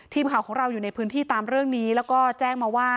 ทีมข่าวของเราอยู่ในพื้นที่ตามเรื่องนี้แล้วก็แจ้งมาว่า